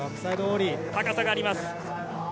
高さがあります。